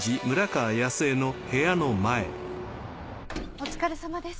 お疲れさまです。